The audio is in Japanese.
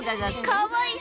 かわいい！